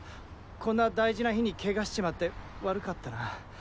こんな大事な日にケガしちまって悪かったな。